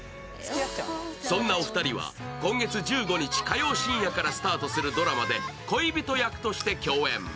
そんなお二人は、今月１５日火曜深夜からスタートするドラマで恋人役として共演。